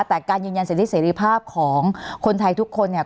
แต่การยืนยันสิทธิเสรีภาพของคนไทยทุกคนเนี่ย